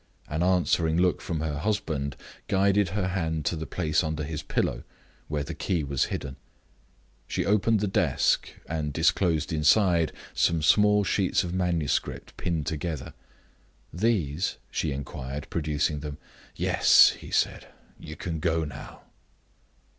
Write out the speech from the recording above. An answering look from her husband guided her hand to the place under his pillow where the key was hidden. She opened the desk, and disclosed inside some small sheets of manuscript pinned together. "These?" she inquired, producing them. "Yes," he said. "You can go now."